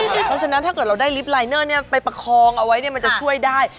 เพราะฉะนั้นถ้าเกิดเราได้ลิฟต์ลายเนอร์ไปประคองเอาไว้มันจะช่วยได้